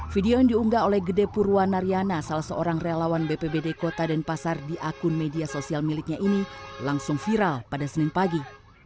video yang diunggah oleh gede purwa nariana salah seorang relawan bpbd kota denpasar di akun media sosial miliknya ini langsung viral pada senin pagi